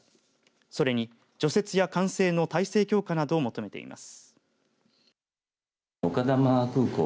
それに除雪や管制の体制強化などを求めています。